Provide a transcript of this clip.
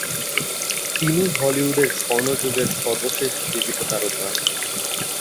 তিনি হলিউডের স্বর্ণযুগের সর্বশেষ জীবিত তারকা।